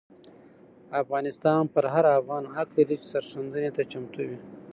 افغانستان پر هر افغان حق لري چې سرښندنې ته چمتو وي.